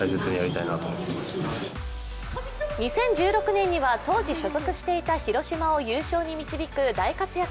２０１６年には当時所属していた広島を優勝に導く大活躍。